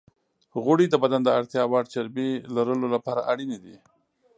غوړې د بدن د اړتیا وړ چربی لرلو لپاره اړینې دي.